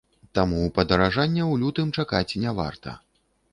Таму падаражання ў лютым чакаць не варта.